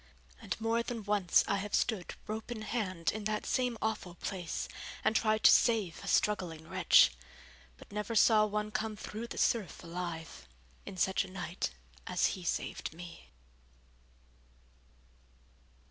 And more than once I have stood rope in hand in that same awful place, and tried to save a struggling wretch; but never saw one come through the surf alive, in such a night as he saved me.